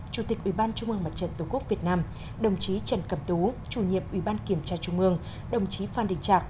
chủ tịch ủy ban trung ương mặt trận tổ quốc việt nam đồng chí trần cẩm tú chủ nhiệm ủy ban kiểm tra trung mương đồng chí phan đình trạc